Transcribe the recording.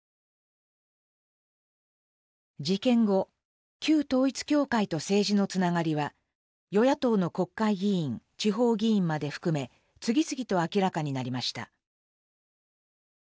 事件後旧統一教会と政治のつながりは与野党の国会議員地方議員まで含め次々と明らかになりました。